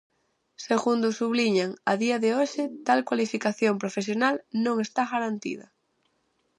Segundo subliñan, "a día de hoxe" tal cualificación profesional "non está garantida".